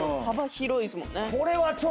幅広いですもんね。